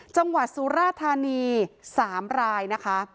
จังหวัดสุรธานี๓รายนะคะ